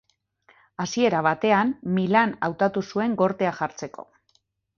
Hasiera batean Milan hautatu zuen gortea jartzeko.